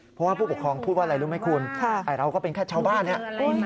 เพราะว่าผู้ปกครองพูดว่าอะไรรู้ไหมคุณไอ้เราก็เป็นแค่ชาวบ้านเนี่ย